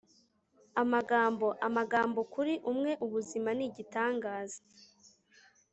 Amagambo Amagambo Kuri umwe ubuzima ni igitangaza